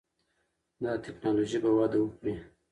دا ټکنالوژي به وده وکړي.